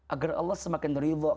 agar allah semakin rizal